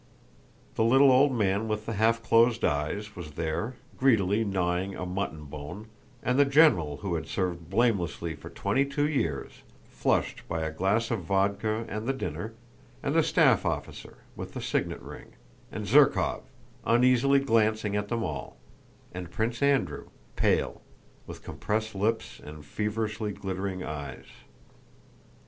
The little old man with the half closed eyes was there greedily gnawing a mutton bone, and the general who had served blamelessly for twenty two years, flushed by a glass of vodka and the dinner; and the staff officer with the signet ring, and Zherkóv, uneasily glancing at them all, and Prince Andrew, pale, with compressed lips and feverishly glittering eyes.